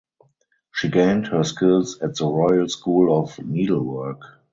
She gained her skills at the Royal School of Needlework.